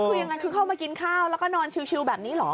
แล้วคุยอย่างงั้นคือเข้ามากินข้าวแล้วก็นอนชิวชิวแบบนี้เหรอ